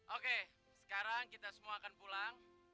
oke sekarang kita semua akan pulang